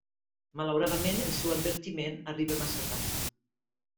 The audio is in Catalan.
Malauradament, el seu advertiment arriba massa tard.